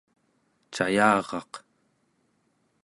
cayaraq